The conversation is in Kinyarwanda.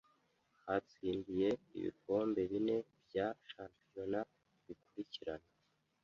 Yatsindiye ibikombe bine bya shampiyona bikurikirana